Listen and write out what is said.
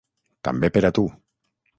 També per a tu.